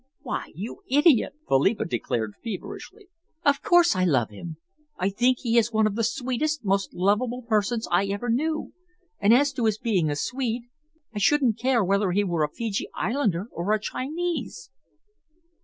"Why, you idiot," Philippa declared feverishly, "of course I love him! I think he is one of the sweetest, most lovable persons I ever knew, and as to his being a Swede, I shouldn't care whether he were a Fiji Islander or a Chinese."